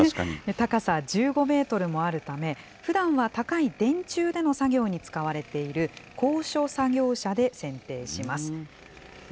高さ１５メートルもあるため、ふだんは高い電柱での作業に使われている高所作業車でせんていします。